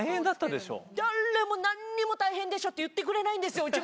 誰も何にも「大変でしょ」って言ってくれないんですよ